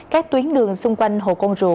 các tuyến đường xung quanh hồ công rùa